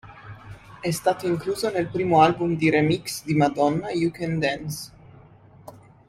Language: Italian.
È stato incluso nel primo album di remix di Madonna, "You Can Dance".